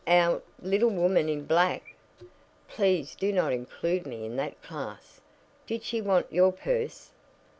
"Our little woman in black! Please do not include me in that class. Did she want your purse?"